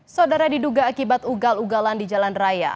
saudara diduga akibat ugal ugalan di jalan raya